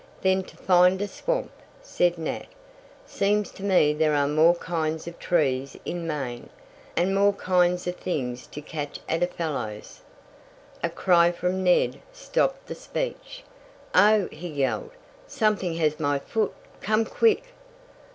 "Then to find a swamp," said Nat. "Seems to me there are more kinds of trees in Maine, and more kinds of things to catch at a fellow's " A cry from Ned stopped the speech. "Oh!" he yelled. "Something has my foot! Come quick!"